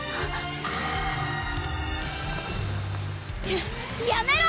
ややめろ！